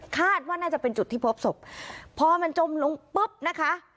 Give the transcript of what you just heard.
คาดว่าน่าจะเป็นจุดที่พบศพพอมันจมลงปุ๊บนะคะ